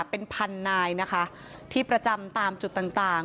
เป็นพันนายนะคะที่ประจำตามจุดต่างต่าง